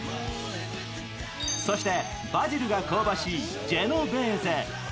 そして、バジルが香ばしいジェノベーゼ。